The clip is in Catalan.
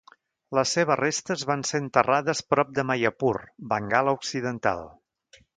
Les seves restes van ser enterrades prop de Mayapur, Bengala Occidental.